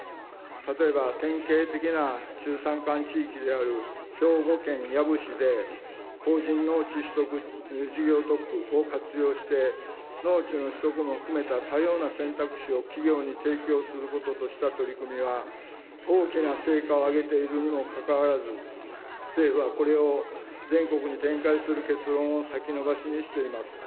例えば典型的な中山間地域である兵庫県養父市で、法人農地取得事業特区を活用して、農地の取得も含めた多様な選択肢を企業に提供することとした取り組みは、大きな成果を上げているにもかかわらず、政府はこれを全国に展開する結論を先延ばしにしています。